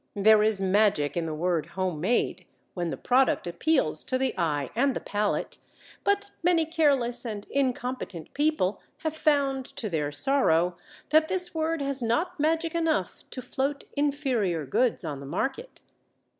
There is magic in the word "Homemade," when the product appeals to the eye and the palate; but many careless and incompetent people have found to their sorrow that this word has not magic enough to float inferior goods on the market.